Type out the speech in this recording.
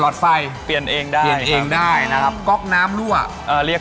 โชคความแม่นแทนนุ่มในศึกที่๒กันแล้วล่ะครับ